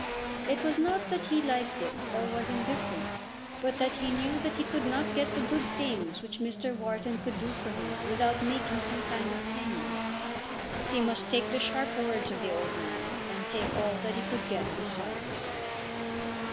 It was not that he liked it, or was indifferent, but that he knew that he could not get the good things which Mr. Wharton could do for him without making some kind of payment. He must take the sharp words of the old man, and take all that he could get besides.